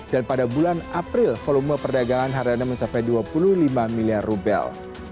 dan pada bulan april volume perdagangan hariannya mencapai dua puluh lima miliar rubel